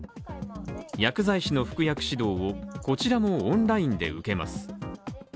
薬剤師の服薬指導をこちらもオンラインで受けます。